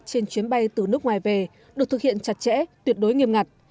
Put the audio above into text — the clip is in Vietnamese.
trên chuyến bay từ nước ngoài về được thực hiện chặt chẽ tuyệt đối nghiêm ngặt